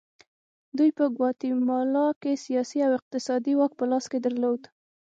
دوی په ګواتیمالا کې سیاسي او اقتصادي واک په لاس کې درلود.